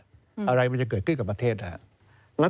อะไรมันจะเกิดขึ้นกับประเทศนะครับ